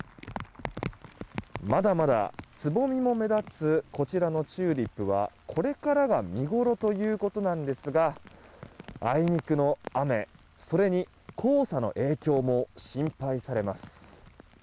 まだまだつぼみも目立つこちらのチューリップはこれから見ごろということですがあいにくの雨、それに黄砂の影響も心配されます。